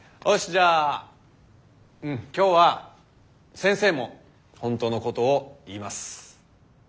じゃあ今日は先生も本当のことを言います。